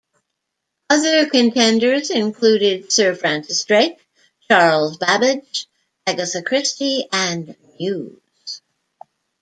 Other contenders included Sir Francis Drake, Charles Babbage, Agatha Christie and Muse.